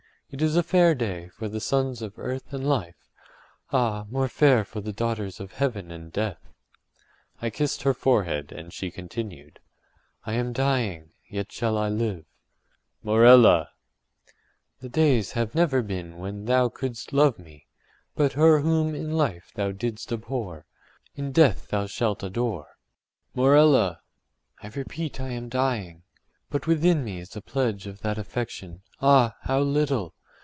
It is a fair day for the sons of earth and life—ah, more fair for the daughters of heaven and death!” I kissed her forehead, and she continued: “I am dying, yet shall I live.” “Morella!” “The days have never been when thou couldst love me—but her whom in life thou didst abhor, in death thou shalt adore.” “Morella!” “I repeat that I am dying. But within me is a pledge of that affection—ah, how little!